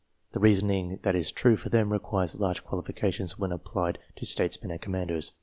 The reasoning that is true for them, requires large qualifications when applied to statesmen and commanders.